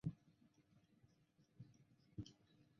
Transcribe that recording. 一年后回国担任财政部监察员。